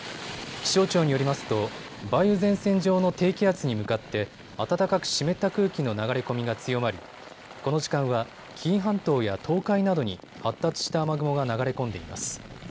気象庁によりますと梅雨前線上の低気圧に向かって暖かく湿った空気の流れ込みが強まり、この時間は紀伊半島や東海などに発達した雨雲が流れ込んでいます。